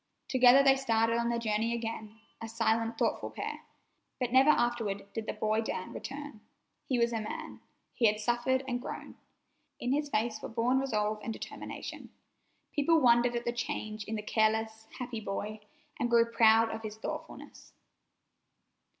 Together they started on their journey again, a silent, thoughtful pair. But never afterward did the boy Dan return. He was a man. He had suffered and grown. In his face were born resolve and determination. People wondered at the change in the careless, happy boy, and grew proud of his thoughtfulness.